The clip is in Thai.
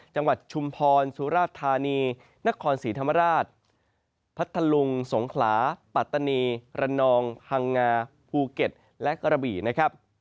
จังหวัดชุมพรสุราธานีนครสีธรรมราชพัทธลุงสงขลาปัตตานีรณองห่างงาภูเก็ตและกระบี่